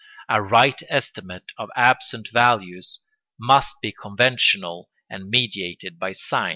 A right estimate of absent values must be conventional and mediated by signs.